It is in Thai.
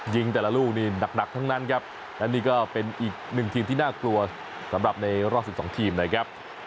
แต่ละลูกนี่หนักทั้งนั้นครับและนี่ก็เป็นอีกหนึ่งทีมที่น่ากลัวสำหรับในรอบ๑๒ทีมนะครับ